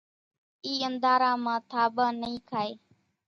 اِي انڌارا مان ٿاٻان نئي کائي